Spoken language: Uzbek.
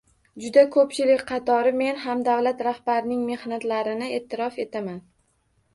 Juda ko‘pchilik qatori men ham davlat rahbarining mehnatlarini e’tirof etaman.